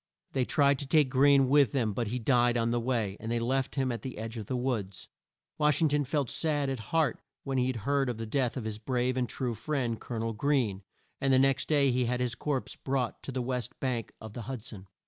They tried to take Greene with them, but he died on the way, and they left him at the edge of the woods. Wash ing ton felt sad at heart when he heard of the death of his brave and true friend, Col o nel Greene, and the next day he had his corpse brought to the west bank of the Hud son.